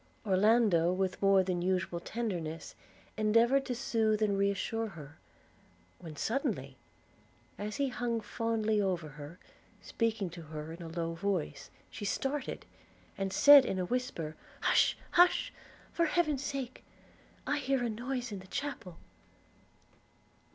Orlando, with more than usual tenderness, endeavoured to sooth and re assure her – when suddenly, as he hung fondly over her, speaking to her in a low voice, she started, and said, in a whisper, 'Hush, hush – for heaven's sake – I hear a noise in the chapel.'